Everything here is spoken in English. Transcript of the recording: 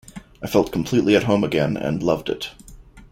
I felt completely at home again and loved it.